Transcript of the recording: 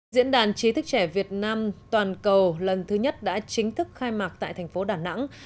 diễn đàn chí thức trẻ việt nam toàn cầu lần thứ nhất đã chính thức khai mạc tại thành phố đà nẵng